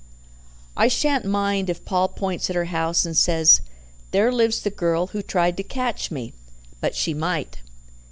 "I shan't mind if Paul points at our house and says, 'There lives the girl who tried to catch me.' But she might."